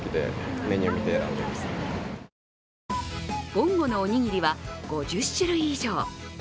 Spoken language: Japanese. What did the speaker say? ぼんごのおにぎりは５０種類以上。